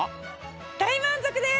大満足です！